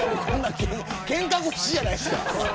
けんか腰じゃないですか。